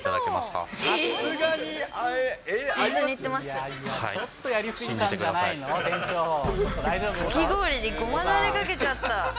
かき氷にごまだれかけちゃった。